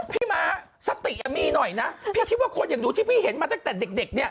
พี่คิดว่าคนอย่างดูที่พี่เห็นมาตั้งแต่เด็ก